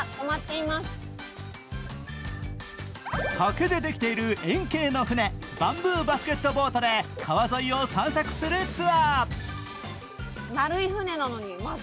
竹でできている円形の船、バンブーバスケットボートで川沿いを散策するツアー。